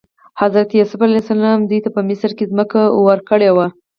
حضرت یوسف علیه السلام دوی ته په مصر کې ځمکه ورکړې وه.